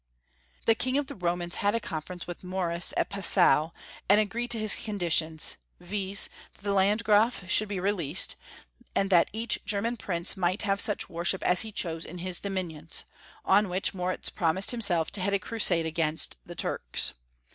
The King of the Romans had a conference with Moritz at Passau, and agreed to his conditions — viz., that the Landgraf should be released, and that each German prince might have such worship as he chose in liis dominions, on which Moritz promised himself to head a crusade against the Turks.